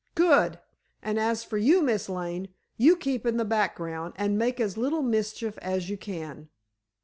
"Good! And as for you, Miss Lane, you keep in the background, and make as little mischief as you can."